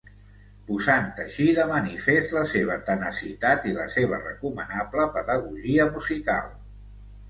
Posant així de manifest la seva tenacitat i la seva recomanable pedagogia musical.